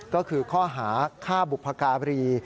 ก็คือข้อหาฆ่าบุพการี